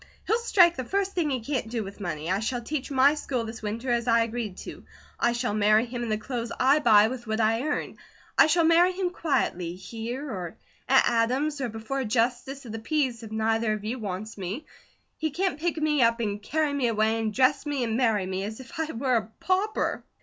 He'll strike the first thing he can't do with money. I shall teach my school this winter as I agreed to. I shall marry him in the clothes I buy with what I earn. I shall marry him quietly, here, or at Adam's, or before a Justice of the Peace, if neither of you wants me. He can't pick me up, and carry me away, and dress me, and marry me, as if I were a pauper."